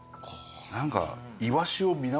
何か。